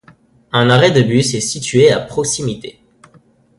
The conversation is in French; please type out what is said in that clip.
Un arrêt de bus est situé à proximité.